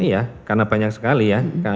ya karena banyak sekali ya